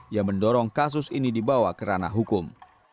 yang mendorong kasus ini dibawa ke ranah hukum